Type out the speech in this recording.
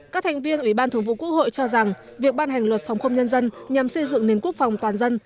các thành viên ủy ban thường vụ quốc hội cho rằng việc ban hành luật phòng không nhân dân nhằm xây dựng nền quốc phòng toàn dân